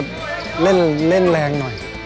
ด้วยเจ้าน่ะ